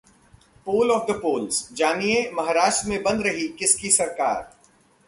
Poll Of The Polls: जानिए...महाराष्ट्र में बन रही किसकी सरकार!